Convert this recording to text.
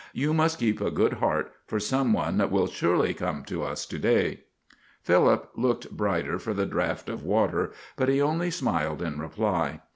"You must keep a good heart, for some one will surely come to us to day." Philip looked brighter for the draft of water, but he only smiled in reply.